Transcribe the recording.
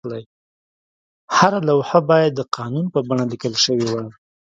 هره لوحه باید د قانون په بڼه لیکل شوې وای.